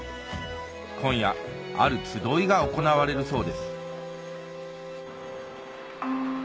今夜ある集いが行われるそうです